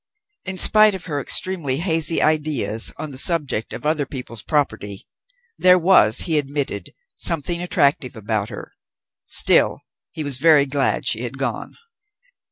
In spite of her extremely hazy ideas on the subject of other people's property, there was, he admitted, something attractive about her. Still he was very glad she had gone.